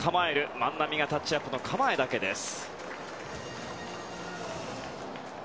万波はタッチアップの構えだけです。